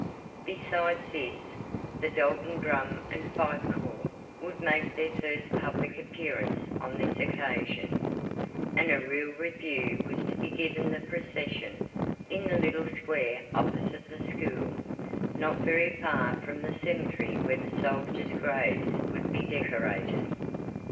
Besides this, the Dalton Drum and Fife Corps would make their first public appearance on this occasion, and a real review was to be given the procession, in the little square opposite the school, not very far from the cemetery where the soldiers' graves would be decorated.